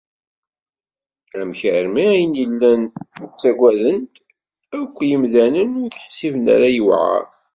Amek armi ayen i llan ttagaden-t akk yimdanen ur t-iḥsib ara yewɛaṛ?